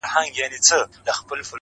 د نازولي یار په یاد کي اوښکي غم نه دی’